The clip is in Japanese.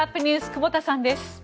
久保田さんです。